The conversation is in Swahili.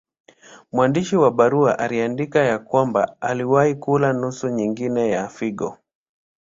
Mwandishi wa barua aliandika ya kwamba aliwahi kula nusu nyingine ya figo.